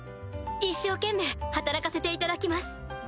一生懸命働かせていただきます。